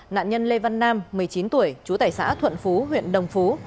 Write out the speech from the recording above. nạn nhân lê văn nam một mươi chín tuổi chú tẩy xã thuận phú huyện đồng phú